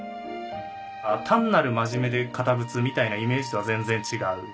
単なる真面目で堅物みたいなイメージとは全然違う。